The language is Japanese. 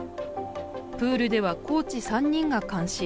プールではコーチ３人が監視。